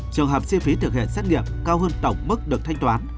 trường hợp chi phí thực hiện xét nghiệm cao hơn tổng mức được thanh toán